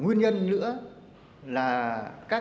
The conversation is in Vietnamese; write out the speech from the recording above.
nguyên nhân nữa là các cháu đều đang đi học và một số thì cũng đã bỏ học